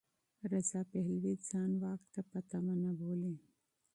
رضا پهلوي ځان واک ته په تمه نه بولي.